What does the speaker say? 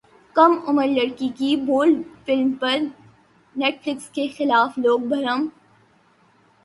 کم عمر لڑکی کی بولڈ فلم پر نیٹ فلیکس کے خلاف لوگ برہم